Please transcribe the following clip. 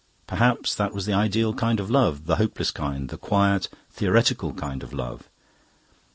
Perhaps that was the ideal kind of love, the hopeless kind the quiet, theoretical kind of love.